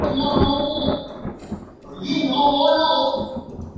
There are some otter shelters in the Lagoons.